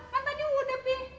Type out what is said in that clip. lah kan tadi udah pi